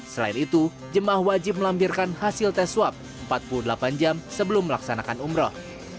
selain itu jemaah wajib melampirkan hasil tes swab empat puluh delapan jam sebelum melaksanakan umroh